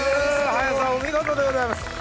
林さんお見事でございます！